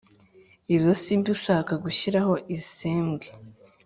izo simbi ushaka gushyiraho isembwe